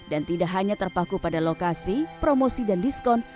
dan tidak hanya terpaku pada lokasi promosi dan diskon